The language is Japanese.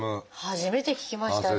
初めて聞きましたね。